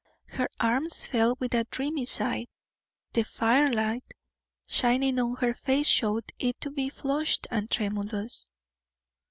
Her arms fell with a dreamy sigh; the firelight shining on her face showed it to be flushed and tremulous.